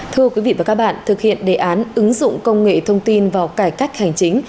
thưa quý vị và các bạn thực hiện đề án ứng dụng công nghệ thông tin vào cải cách hành chính